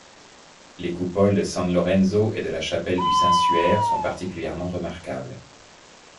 Les coupoles de San Lorenzo et de la chapelle du Saint-Suaire sont particulièrement remarquables.